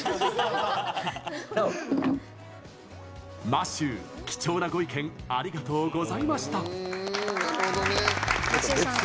マシュー、貴重なご意見ありがとうございました！